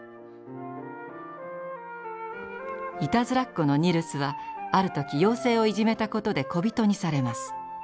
いたずらっ子のニルスはある時妖精をいじめたことで小人にされます。